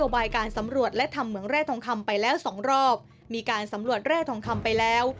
บายการสำรวจและทำเหมืองแร่ทองคำไปแล้วสองรอบมีการสำรวจแร่ทองคำไปแล้ว